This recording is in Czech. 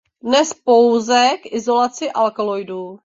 Dnes pouze k izolaci alkaloidů.